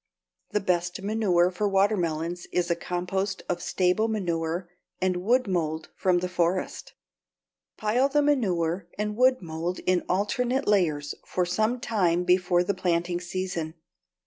The best manure for watermelons is a compost of stable manure and wood mold from the forest. Pile the manure and wood mold in alternate layers for some time before the planting season.